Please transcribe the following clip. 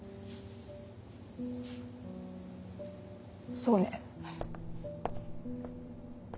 そうね。